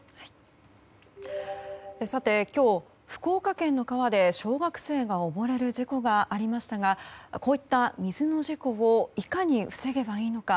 今日、福岡県の川で小学生が溺れる事故がありましたがこういった水の事故をいかに防げばいいのか。